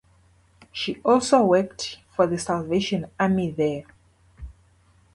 She also worked for the Salvation Army there.